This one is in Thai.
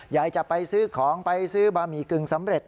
ยายจะไปซื้อของไปซื้อบะหมี่กึ่งสำเร็จ